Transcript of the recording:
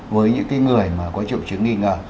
với những người có triệu chứng nghi ngờ